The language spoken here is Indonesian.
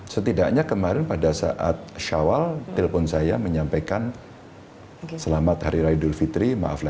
setidaknya kemarin pada saat syawal telpon saya menyampaikan selamat hari raidul fitri maaflah